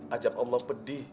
ajak allah pedih